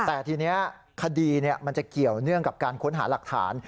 แต่ทีนี้คดีมันจะเกี่ยวเนื่องกับการค้นหาหลักฐาน